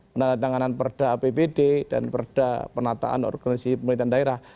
penandatanganan perda apbd dan perda penataan organisasi pemerintahan daerah